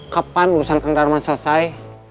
kapan urusan kang darman selesai